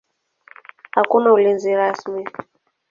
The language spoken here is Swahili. Hakuna ulinzi rasmi.